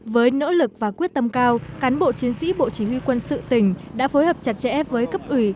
với nỗ lực và quyết tâm cao cán bộ chiến sĩ bộ chỉ huy quân sự tỉnh đã phối hợp chặt chẽ với cấp ủy